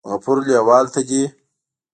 غفور لیوال ته دې